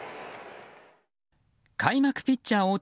開幕ピッチャー